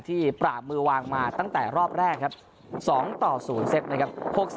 ปราบมือวางมาตั้งแต่รอบแรกครับ๒ต่อ๐เซตนะครับ